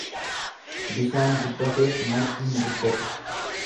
Bishaan guddateef margi hin guddatu.